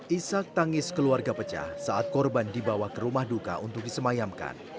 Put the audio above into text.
isak tangis keluarga pecah saat korban dibawa ke rumah duka untuk disemayamkan